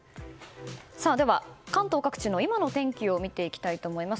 では、関東各地の今のお天気を見ていきたいと思います。